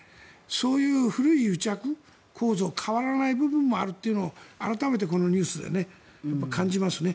そういう古い癒着構造変わらない部分もあると改めてこのニュースで感じますね。